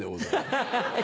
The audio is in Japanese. ハハハ。